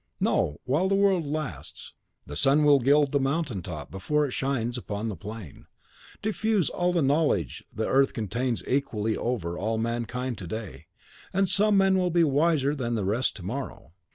No, while the world lasts, the sun will gild the mountain top before it shines upon the plain. Diffuse all the knowledge the earth contains equally over all mankind to day, and some men will be wiser than the rest to morrow.